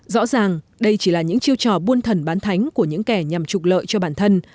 rõ ràng đây chỉ là những chiêu trò buôn thần bán thánh của những kẻ nhằm trục lợi cho bản thân